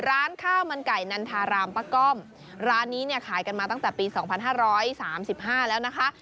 ร้านข้าวมันไก่นันทารามป้าก้อมร้านนี้เนี่ยขายกันมาตั้งแต่ปี๒๕๓๕แล้วนะคะ